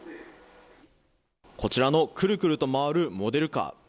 こちらのくるくると回るモデルカー。